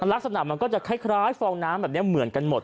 ลักษณะมันก็จะคล้ายฟองน้ำแบบนี้เหมือนกันหมด